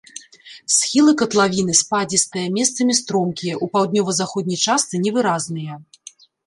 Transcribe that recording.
Схілы катлавіны спадзістыя, месцамі стромкія, у паўднёва-заходняй частцы невыразныя.